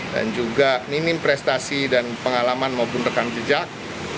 juga minim prestasi dan pengalaman maupun rekam jejak